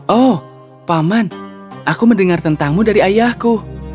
oh paman aku mendengar tentangmu dari ayahku